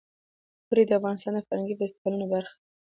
اوړي د افغانستان د فرهنګي فستیوالونو برخه ده.